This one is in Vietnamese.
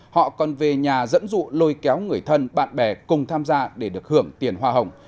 họ còn về nhà dẫn dụ lôi kéo người thân bạn bè cùng tham gia để được hưởng tiền hoa hồng